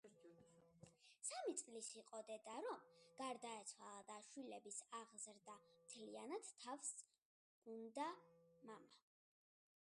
სამი წლის იყო დედა რომ გარდაეცვალა და შვილების აღზრდა მთლიანად თავს იდო მამამ.